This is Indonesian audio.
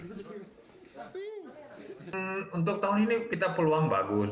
tapi untuk tahun ini kita peluang bagus